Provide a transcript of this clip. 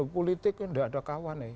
politik tidak ada kawan